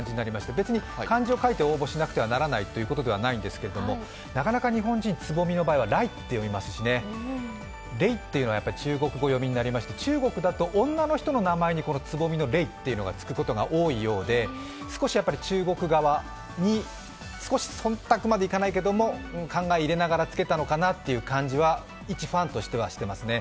別に漢字を書いて応募しなくてはならないというわけでないんですけど、なかなか日本人、つぼみの場合は「らい」って読みますしねレイというのは中国語読みになりまして中国だと女の人の名前にこのつぼみのレイがつくことが多いようで少し中国側に忖度までいかないけど考え入れながらつけたのかなという感じはいちファンとしてはしていますね。